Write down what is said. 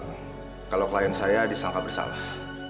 saya gak bisa mengelak kalo klien saya disangka bersalah